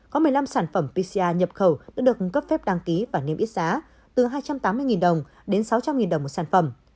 có một mươi năm sản phẩm pcr nhập khẩu đã được cấp phép đăng ký và niêm yết giá từ hai trăm tám mươi đồng đến sáu trăm linh đồng một sản phẩm